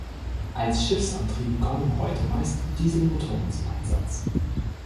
Als Schiffsantriebe kommen heute meist Dieselmotoren zum Einsatz.